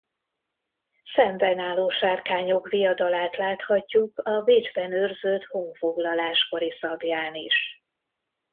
Szemben álló sárkányok viadalát láthatjuk a Bécsben őrzött honfoglalás kori szablyán is.